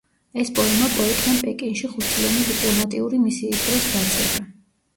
ეს პოემა პოეტმა პეკინში ხუთწლიანი დიპლომატიური მისიის დროს დაწერა.